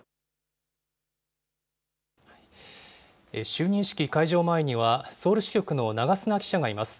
就任式会場前には、ソウル支局の長砂記者がいます。